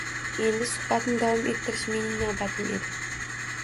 Endi suhbatni davom ettirish mening navbatim edi